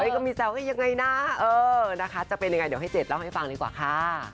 ก็มีแซวให้ยังไงนะเออนะคะจะเป็นยังไงเดี๋ยวให้เจ็ดเล่าให้ฟังดีกว่าค่ะ